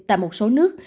tại một số nước